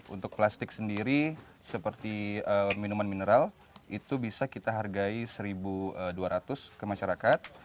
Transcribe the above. untuk plastik sendiri seperti minuman mineral itu bisa kita hargai rp satu dua ratus ke masyarakat